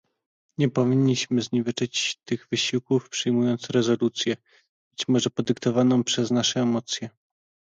Nie powinniśmy zniweczyć tych wysiłków przyjmując rezolucję, być może podyktowaną przez nasze emocje